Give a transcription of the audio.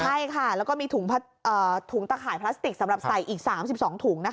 ใช่ค่ะแล้วก็มีถุงตะข่ายพลาสติกสำหรับใส่อีก๓๒ถุง